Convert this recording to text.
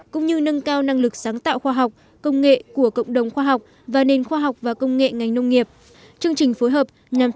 cũng như nâng cao năng lực sáng tạo khoa học công nghệ của cộng đồng khoa học và nền khoa học và công nghệ ngành nông nghiệp